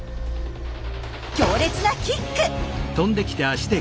強烈なキック！